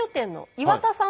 岩田さん